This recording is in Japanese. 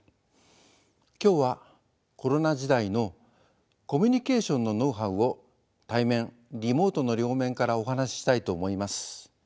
今日はコロナ時代のコミュニケーションのノウハウを対面リモートの両面からお話ししたいと思います。